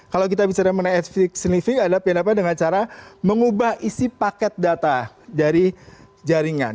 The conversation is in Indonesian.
kalau kita bicara mengenai sniffing adalah dengan cara mengubah isi paket data dari jaringan